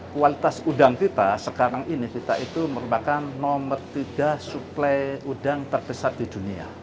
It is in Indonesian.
kualitas udang kita sekarang ini kita itu merupakan nomor tiga suplai udang terbesar di dunia